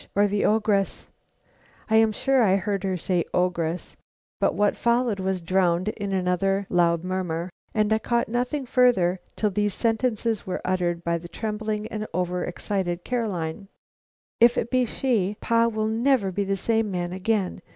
or the ogress " I am sure I heard her say ogress; but what followed was drowned in another loud murmur, and I caught nothing further till these sentences were uttered by the trembling and over excited Caroline: "If it is she, pa will never be the same man again.